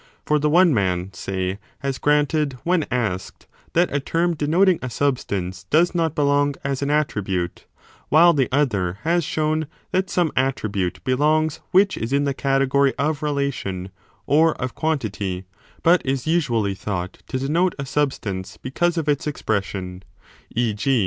For the one man, say, has granted, when asked, that a term denoting a substance does not belong as an attribute, while the other has shown that some attribute belongs which is in the Category of Relation or of Quantity, but is usually thought to denote a substance because of its expression ; e. g.